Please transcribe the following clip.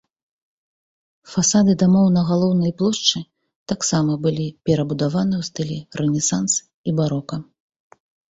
Фасады дамоў на галоўнай плошчы таксама былі перабудаваны ў стылі рэнесанс і барока.